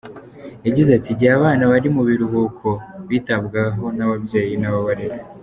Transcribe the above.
Yagize ati,"Igihe abana bari mu biruhuko bitabwaho n’ababyeyi n’ababarera.